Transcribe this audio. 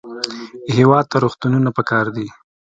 هېواد ته روغتونونه پکار دي